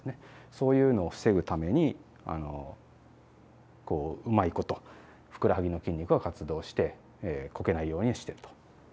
そういうのを防ぐためにこううまいことふくらはぎの筋肉が活動してこけないようにしてると。